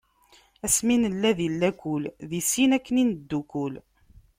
Asmi nella di lakul, deg sin akken i neddukul.